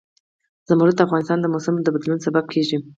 زمرد د افغانستان د موسم د بدلون سبب کېږي.